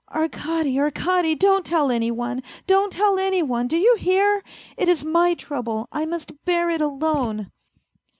" Arkady, Arkady, don't tell any one ! Don't tell any one, do you hear ? It is my trouble, I must bear it alone."